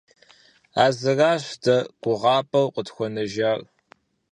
А зыращ дэ гугъапӀэу къытхуэнэжар.